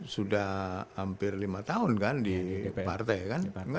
sudah hampir lima tahun kan di partai kan